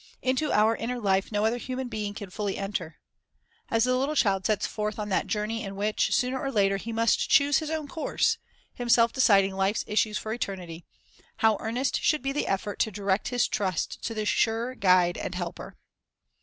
Into our inner life no other human being can fully enter. As the little child sets forth on that journey in which, sooner or later, he must choose his own course, himself deciding life's issues for eternity, how earnest should be the effort to direct his trust to the sure Guide and Helper!